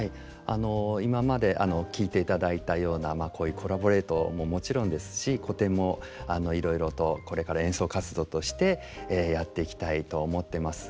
今まで聴いていただいたようなこういうコラボレートももちろんですし古典もいろいろとこれから演奏活動としてやっていきたいと思ってます。